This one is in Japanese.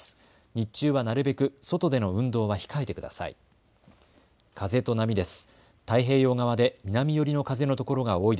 日中はなるべく外での運動は控えてください。